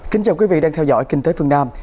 kính chào quý vị đang theo dõi kinh tế phương nam